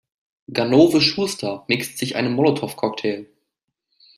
Ganove Schuster mixt sich einen Molotow-Cocktail.